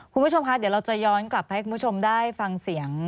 คุณผู้ชมคะเดี๋ยวเราจะย้อนกลับให้คุณผู้ชมได้ฟังเสียง